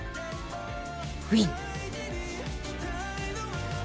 ウィン。